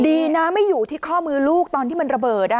ดีนะไม่อยู่ที่ข้อมือลูกตอนที่มันระเบิด